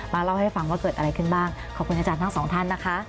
เล่าให้ฟังว่าเกิดอะไรขึ้นบ้างขอบคุณอาจารย์ทั้งสองท่านนะคะ